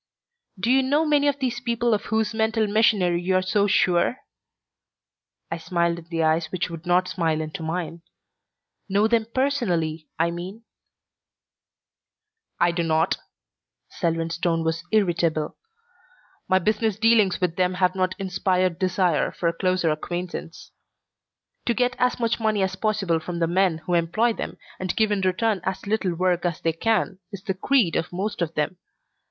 "Do you know many of these people of whose mental machinery you are so sure?" I smiled in the eyes which would not smile into mine. "Know them personally, I mean?" "I do not." Selwyn's tone was irritable. "My business dealings with them have not inspired desire for a closer acquaintance. To get as much money as possible from the men who employ them and give in return as little work as they can, is the creed of most of them.